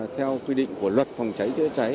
theo quy định của luật phòng cháy chữa cháy